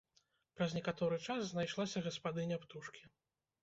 Праз некаторы час знайшлася гаспадыня птушкі.